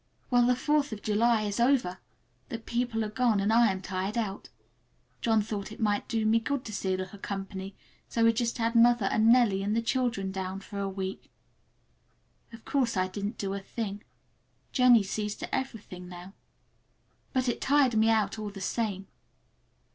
Well, the Fourth of July is over! The people are gone and I am tired out. John thought it might do me good to see a little company, so we just had mother and Nellie and the children down for a week. Of course I didn't do a thing. Jennie sees to everything now. But it tired me all the same.